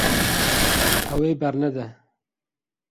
Ew ê bernede.